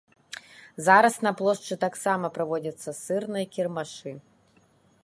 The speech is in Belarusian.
Зараз на плошчы таксама праводзяцца сырныя кірмашы.